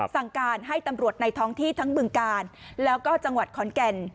สั่งการให้ตำรวจในท้องที่ทั้งบึงกาลแล้วก็จังหวัดขอนแก่น